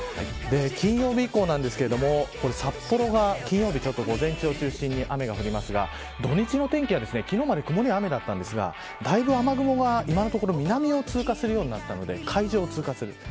金曜日以降は札幌は金曜日午前中を中心に雨が降りますが土日の天気は昨日までは曇りや雨だったんですけどだいぶ雨雲が南を通過するようになったので海上を通過する。